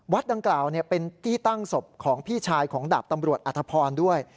ดังกล่าวเป็นที่ตั้งศพของพี่ชายของดาบตำรวจอธพรด้วย